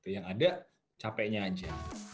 yang ada capeknya aja